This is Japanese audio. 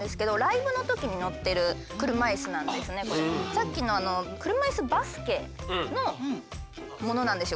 さっきの車いすバスケのものなんですよ